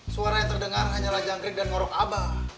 suara yang terdengar hanyalah jangkrik dan ngorok abah